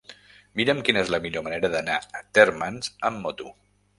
Mira'm quina és la millor manera d'anar a Térmens amb moto.